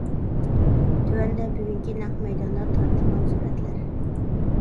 تۆۋەندە بۈگۈنكى نەق مەيداندا تارتىلغان سۈرەتلەر.